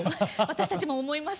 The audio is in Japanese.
私たちも思います。